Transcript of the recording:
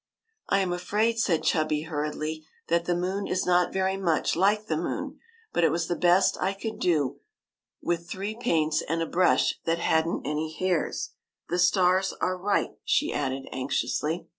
'' I am afraid," said Chubby, hurriedly, '' that the moon is not very much like the moon, but it was the best I could do with three paints and a brush that had n't any hairs. The stars are right," she added anxiously.